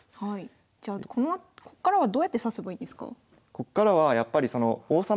じゃあこっからはどうやって指せばいいですか？